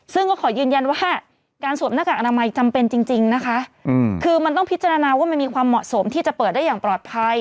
ซึ่งก็ขอยืนยันว่าการสวมหน้ากากอนามัยจำเป็นจริงนะคะคือมันต้องพิจารณาว่ามันมีความเหมาะสมที่จะเปิดได้อย่างปลอดภัย